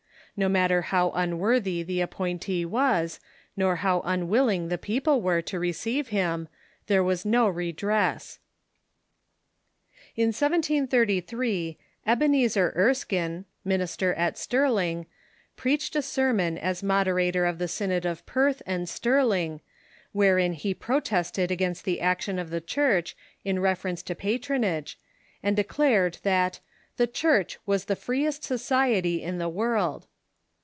No matter how unworthy the api)ointee was, nor how unwilling the people were to receive liim, there Avas no redress. In 17.'J:> Ebenezer ?2rskine, minister at Stilling, preached a sermon as moderator of the Synod of I'ertli and Stirling, wherein he protested against the action of the CJiurch in ref erence to patronage, and declared that the " f ■hurch was the 378 THE MODERN CHURCU freest society in the world."